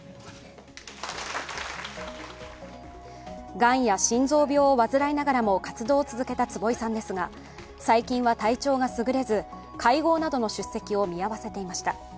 がんや心臓病を患いながらも活動を続けた坪井さんですが、最近は体調がすぐれず、会合などの出席を見合わせていました。